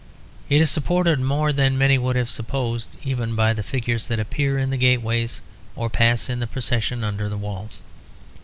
It is supported more than many would suppose even by the figures that appear in the gateways or pass in procession under the walls.